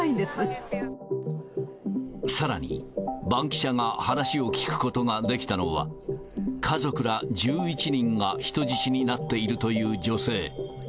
さらに、バンキシャが話を聞くことができたのは、家族ら１１人が人質になっているという女性。